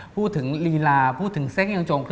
พูดถึงลีลาพูดถึงเซ็กยังจง